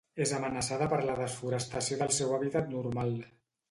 És amenaçada per la desforestació del seu hàbitat normal.